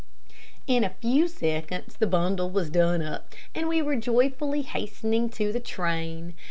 In a few seconds the bundle was done up, and we were joyfully hastening to the train.